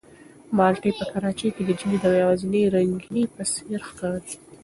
مالټې په کراچۍ کې د ژمي د یوازینۍ رنګینۍ په څېر ښکارېدې.